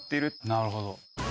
なるほど。